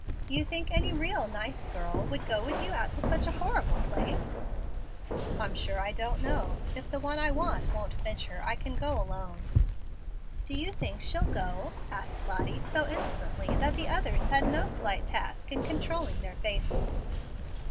Do you think any real nice girl would go with you to such a horrible place?" "I'm sure I don't know. If the one I want won't venture, I can go alone." "Do you think she'll go?" asked Lottie, so innocently that the others had no slight task in controlling their faces.